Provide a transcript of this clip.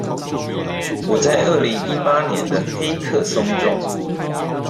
我在二零一八年的黑客松中